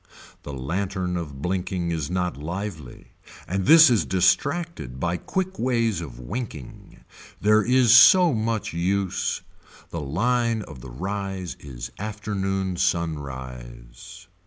The lantern of blinking is not lively and this is distracted by quick ways of winking. There is so much use. The line of the rise is afternoon sunrise.